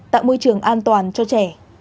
tạo môi trường an toàn cho trẻ